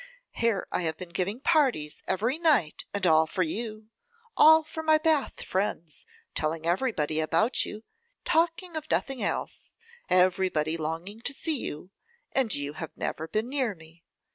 Here have I been giving parties every night, and all for you; all for my Bath friends; telling everybody about you; talking of nothing else; everybody longing to see you; and you have never been near me.